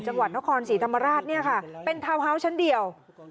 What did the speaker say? จังหวัดนครศรีธรรมราชเนี่ยค่ะเป็นทาวน์ฮาวส์ชั้นเดียว